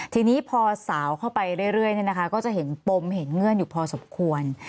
ทีนี้พอสาวเข้าไปเรื่อยก็จะเห็นปมเห็นเงื่อนอยู่พอสมควร